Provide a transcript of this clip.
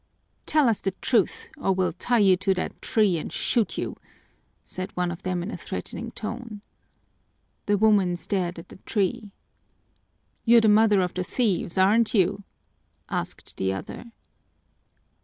"Tell us the truth or we'll tie you to that tree and shoot you," said one of them in a threatening tone. The woman stared at the tree. "You're the mother of the thieves, aren't you?" asked the other.